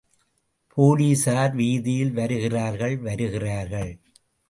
போலீஸார் வீதியில் வருகிறார்கள், வருகிறார்கள்!